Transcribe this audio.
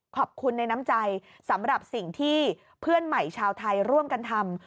ขอบคุณในน้ำใจสำหรับสิ่งที่เพื่อนใหม่ชาวไทยร่วมกันทำ